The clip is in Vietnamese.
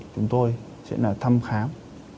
chúng tôi sẽ là thăm khám